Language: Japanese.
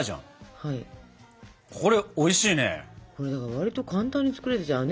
割と簡単に作れるじゃん。